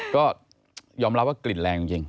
ก็ยอมรับว่ากลิ่นแรงจริง